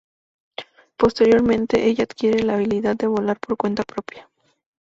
Posteriormente ella adquiere la habilidad de volar por cuenta propia.